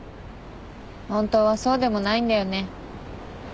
本当はそうでもないんだよね。